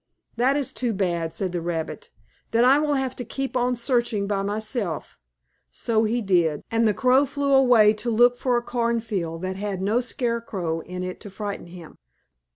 "That is too bad," said the rabbit. "Then I will have to keep on searching by myself," so he did, and the crow flew away to look for a cornfield that had no scarecrow in it to frighten him.